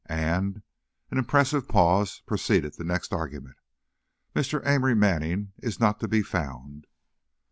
And," an impressive pause preceded the next argument, "Mr. Amory Manning is not to be found."